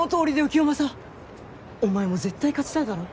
清正お前も絶対勝ちたいだろ？